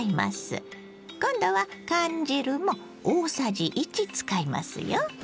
今度は缶汁も大さじ１使いますよ。